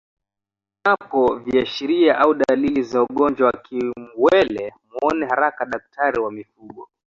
Uonapo viashiria au dalili za ugonjwa wa kiwele muone haraka daktari wa mifugo